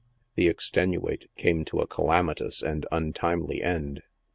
" The Extenuate" camo to a calamitous and untimely end.